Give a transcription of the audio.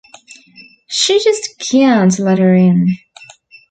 She just can't let her in.